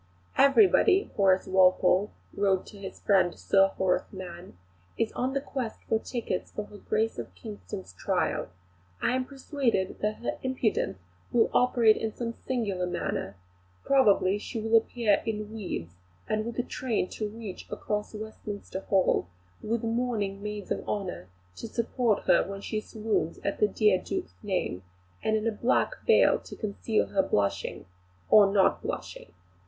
"Everybody," Horace Walpole wrote to his friend Sir Horace Mann, "is on the quest for tickets for her Grace of Kingston's trial. I am persuaded that her impudence will operate in some singular manner; probably she will appear in weeds, with a train to reach across Westminster Hall, with mourning maids of honour to support her when she swoons at the dear Duke's name, and in a black veil to conceal her blushing or not blushing.